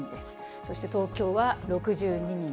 そして東京は６２人。